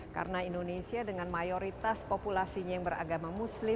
karena indonesia dengan mayoritas populasinya yang beragama muslim